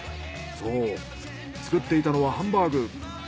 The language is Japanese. そう作っていたのはハンバーグ。